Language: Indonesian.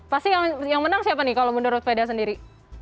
pasti yang menang siapa nih kalau menurut veda sendiri